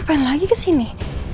ngapain lagi kesini